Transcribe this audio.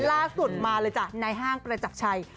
ล่าสุดมาเลยจ้ะในห้างประจักรชัย